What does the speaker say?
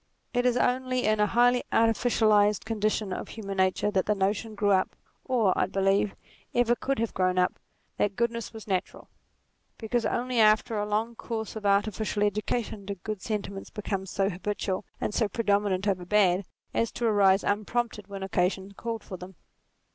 It is only in a highly artificialized condition of human nature that the notion grew up, or, I believe, ever could have grown up, that goodness was natural : because only after a long course of artificial education did good sentiments become so habitual, and so predominant over bad, as to arise unprompted when occasion called for them.